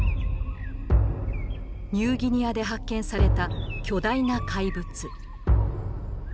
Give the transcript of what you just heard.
ニューギニアで発見された巨大な怪物。